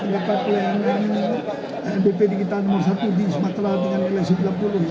dapat pelayanan ini untuk bp digital nomor satu di sumatera dengan eleksi ke enam puluh